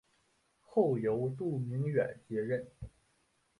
后由杜明远接任。